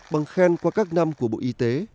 bằng khen qua các năm của bộ y tế